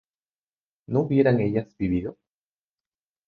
¿no hubieran ellas vivido?